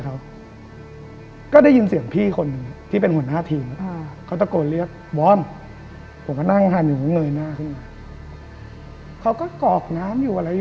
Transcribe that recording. เขาจะเรียกวอร์มเอานั่งให้พี่หน่อยเอานี่พี่หน่อย